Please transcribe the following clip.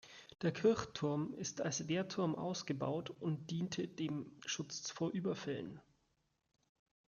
Der Kirchturm ist als Wehrturm ausgebaut und diente dem Schutz vor Überfällen.